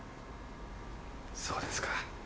そうですか。